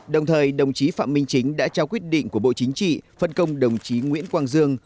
đồng thời đồng chí phạm minh chính đã trao quyết định của bộ chính trị phân công đồng chí nguyễn quang dương